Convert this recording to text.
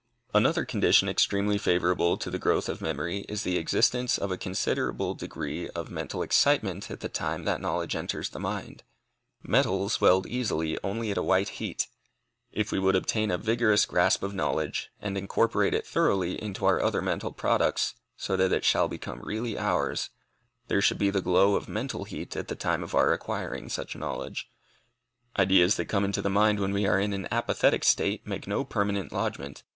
Another condition extremely favorable to the growth of memory, is the existence of a considerable degree of mental excitement at the time that knowledge enters the mind. Metals weld easily only at a white heat. If we would obtain a vigorous grasp of knowledge, and incorporate it thoroughly into our other mental products, so that it shall become really ours, there should be the glow of mental heat at the time of our acquiring such knowledge. Ideas that come into the mind when we are in an apathetic state, make no permanent lodgment.